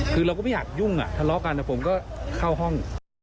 คือเราก็ไม่อยากยุ่งทะเลาะกันแต่ผมก็เข้าห้อง